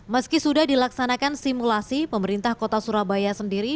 meski sudah dilaksanakan simulasi pemerintah kota surabaya sendiri